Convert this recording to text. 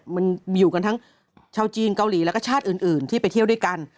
มันอยู่กันทั้งชาวจีนเกาหลีแล้วก็ชาติอื่นที่ไปเที่ยวด้วยกัน